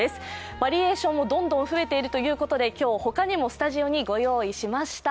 バリエーションもどんどん増えているということで今日ほかにもスタジオにご用意しました。